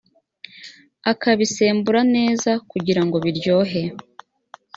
akabisembura neza kugirango biryohe